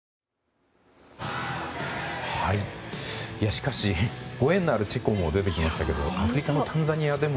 しかし、ご縁のあるチェコも出てきましたがアフリカのタンザニアでも。